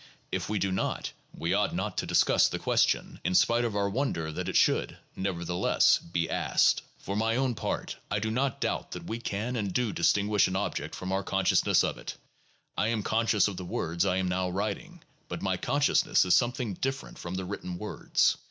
If we do not, we ought not to discuss the question, in spite of our wonder that it should, nevertheless, be asked. For my own part, I do not doubt that we can and do dis tinguish an object from our consciousness of it. I am conscious of the words I am now writing, but my consciousness is something different from the written words.